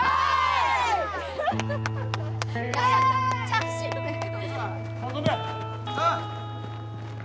チャーシューメン？